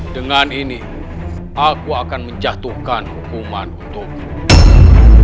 dengan ini aku akan menjatuhkan hukuman untukmu